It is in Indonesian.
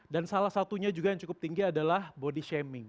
dan salah satunya juga yang cukup tinggi adalah body shaming